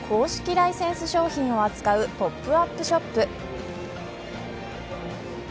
ライセンス商品を扱うポップアップショップ。